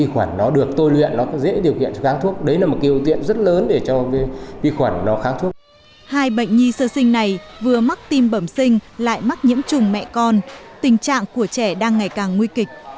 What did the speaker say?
hai bệnh nhi sơ sinh này vừa mắc tim bẩm sinh lại mắc nhiễm trùng mẹ con tình trạng của trẻ đang ngày càng nguy kịch